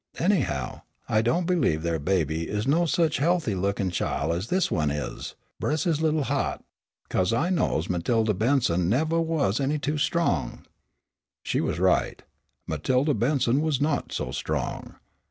Anyhow, I don't believe their baby is no sich healthy lookin' chile as this one is, bress his little hea't! 'Cause I knows Matilda Benson nevah was any too strong." She was right; Matilda Benson was not so strong.